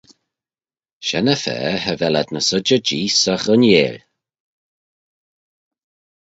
Shen-y-fa cha vel ad ny sodjey jees, agh un 'eill.